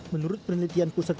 menurut penelitian pusat